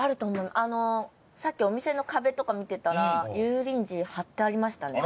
あのさっきお店の壁とか見てたら油淋鶏貼ってありましたね。